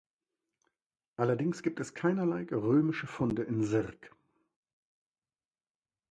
Allerdings gibt es keinerlei römische Funde in Sierck.